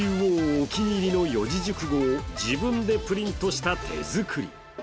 お気に入りの四字熟語を自分でプリントした手作り。